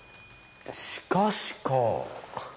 「しかし」かあ。